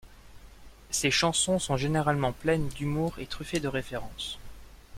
Ses chansons sont généralement pleines d'humour et truffées de références.